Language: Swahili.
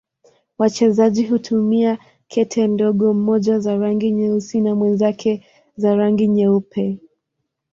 Wachezaji hutumia kete ndogo, mmoja za rangi nyeusi na mwenzake za rangi nyeupe.